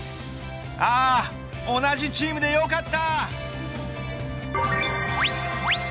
ああ、同じチームでよかった。